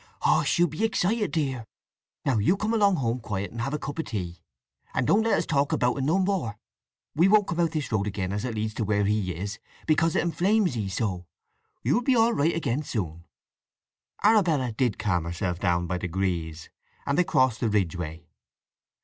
"Hush! You be excited, dear! Now you come along home quiet, and have a cup of tea, and don't let us talk about un no more. We won't come out this road again, as it leads to where he is, because it inflames 'ee so. You'll be all right again soon." Arabella did calm herself down by degrees; and they crossed the ridge way.